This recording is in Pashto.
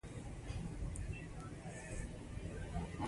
که ماشوم ستونزه لري، د ارواپوه مرسته وغواړئ.